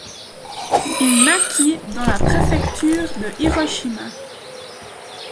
Il naquit dans la préfecture de Hiroshima.